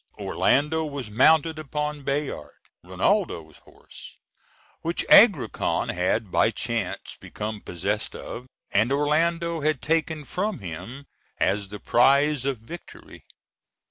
Orlando was mounted upon Bayard, Rinaldo's horse, which Agrican had by chance become possessed of, and Orlando had taken from him as the prize of victory.